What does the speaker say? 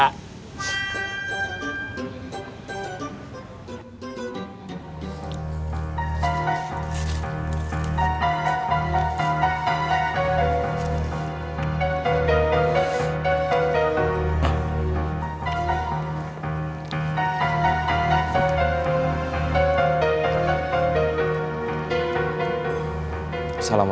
tidak sudah sulit